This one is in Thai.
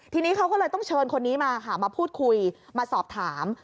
ทีนี้เขาก็เลยต้องเชิญคนนี้มาค่ะมาพูดคุยมาสอบถาม